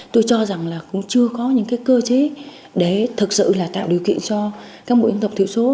tôi cho rằng là cũng chưa có những cơ chế để thực sự là tạo điều kiện cho các bộ dân tộc thiểu số